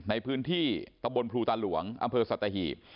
ในพื้นที่ตะบนภูตาหลวงอำเภอสัตหีบ